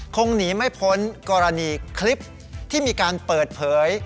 คงหนีไม่พ้นกรณีคลิปที่มีการเปิดเผย